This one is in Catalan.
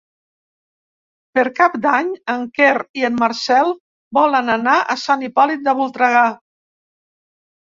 Per Cap d'Any en Quer i en Marcel volen anar a Sant Hipòlit de Voltregà.